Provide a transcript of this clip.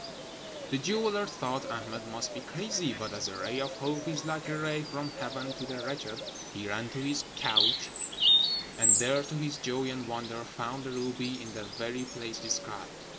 The jeweller thought Ahmed must be crazy; but as a ray of hope is like a ray from heaven to the wretched, he ran to his couch, and there, to his joy and wonder, found the ruby in the very place described.